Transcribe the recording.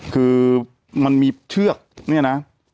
คือมันมีเชือกเนี่ยนะ